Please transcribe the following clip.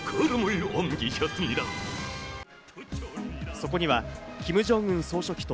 そこにはキム・ジョンウン総書記と、